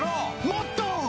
もっと！